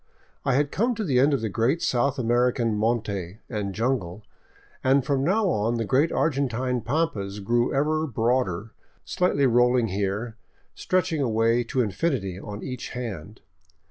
I had come to the end of the great South American monte and jungle, and from now on the great Argentine pampas grew ever broader, slightly rolling here, stretching away to infinity on each hand.